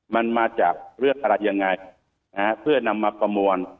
มันมาจากเรื่องอะไรยังไงนะฮะเพื่อนำมาประมวล